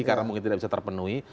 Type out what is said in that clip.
karena mungkin tidak bisa terpenuhi